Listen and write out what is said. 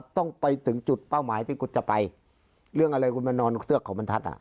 ต้องไปถึงจุดเป้าหมายที่คุณจะไปเรื่องอะไรคุณมานอนเทือกเขาบรรทัศน์